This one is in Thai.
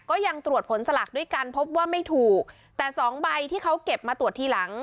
ก็ยังตรวจผลสลักด้วยกันพบว่าไม่ถูกแต่สองใบที่เขาเก็บมาตรวจทีหลัง